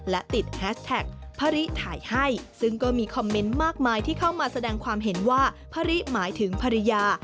และติดแฮชแท็กพระริถ่ายให้ซึ่งก็มีคอมเมนต์มากมายที่เข้ามาแสดงความเห็นว่าพระริหมายถึงภรรยา